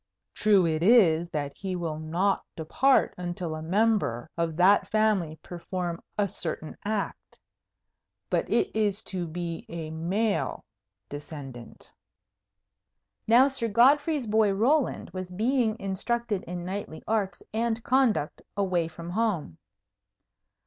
True it is that he will not depart till a member of that family perform a certain act. But it is to be a male descendant." Now Sir Godfrey's boy Roland was being instructed in knightly arts and conduct away from home.